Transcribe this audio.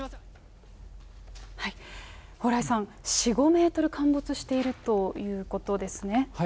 蓬莱さん、４、５メートル陥没しているということですね。